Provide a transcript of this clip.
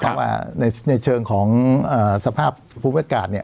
เพราะว่าในในเชิงของเอ่อสภาพภูมิวักการเนี้ย